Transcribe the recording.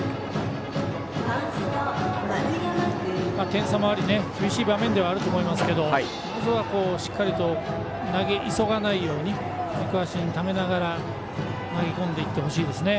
点差もあり厳しい場面ではあると思いますけどまずは、しっかりと投げ急がないように軸足にためながら投げ込んでいってほしいですね。